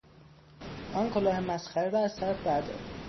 آن کلاه مسخره را از سرت بردار!